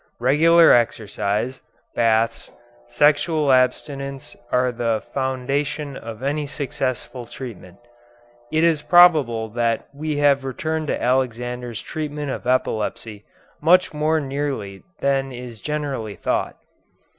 Regular exercise, baths, sexual abstinence are the foundation of any successful treatment. It is probable that we have returned to Alexander's treatment of epilepsy much more nearly than is generally thought.